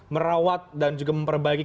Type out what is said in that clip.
merawat dan juga memperbaiki